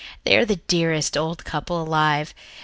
They are the dearest old couple alive.